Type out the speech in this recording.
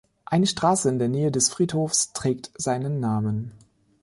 Eine Straße in der Nähe des Friedhofs trägt seinen Namen.